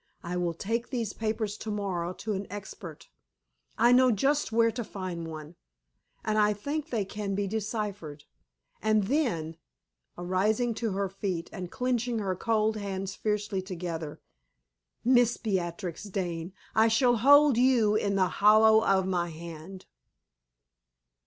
"I will take these papers tomorrow to an expert I know just where to find one and I think they can be deciphered. And then" arising to her feet and clinching her cold hands fiercely together "Miss Beatrix Dane, I shall hold you in the hollow of my hand!"